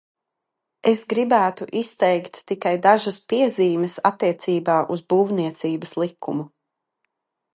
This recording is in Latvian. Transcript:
Es gribētu izteikt tikai dažas piezīmes attiecībā uz Būvniecības likumu.